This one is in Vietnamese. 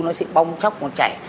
nó sẽ bong chóc nó chảy